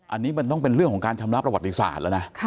อันนี้มันต้องเป็นเรื่องของการชำระประวัติศาสตร์แล้วนะ